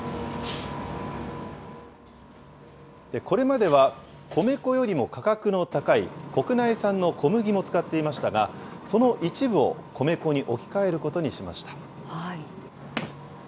これまでは、米粉よりも価格の高い国内産の小麦も使っていましたが、その一部を米粉に置き換えることにしました。